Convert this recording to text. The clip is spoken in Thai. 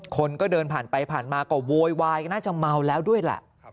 คนก็เดินผ่านไปผ่านมาก็โวยวายก็น่าจะเมาแล้วด้วยแหละ